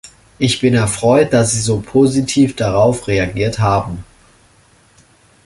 Ich bin erfreut, dass Sie so positiv darauf reagiert haben.